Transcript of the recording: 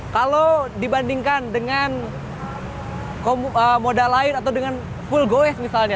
kalau dibandingkan dengan moda lain atau dengan full go ease misalnya